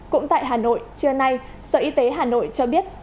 cũng tại hà nội trưa nay sở y tế hà nội cho biết